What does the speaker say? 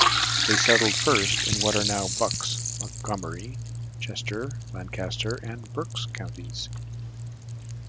They settled first in what are now Bucks, Montgomery, Chester, Lancaster, and Berks Counties.